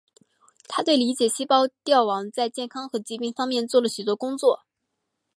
他对理解细胞凋亡在健康和疾病方面做了许多工作。